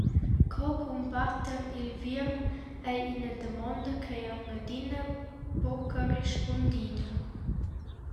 Co cumbatter il vierm, ei ina damonda ch’ei aunc adina buca rispundida.